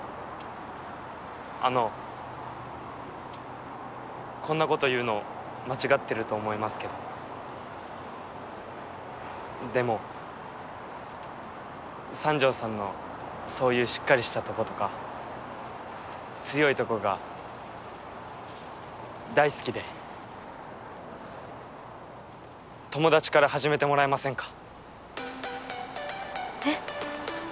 あのこんなこと言うの間違ってると思いますけどでも三条さんのそういうしっかりしたとことか強いとこが大好きで友達から始めてもらえませんか？